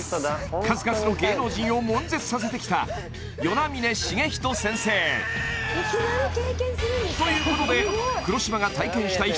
数々の芸能人を悶絶させてきた與那嶺茂人先生ということで黒島が体験したい